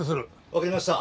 わかりました。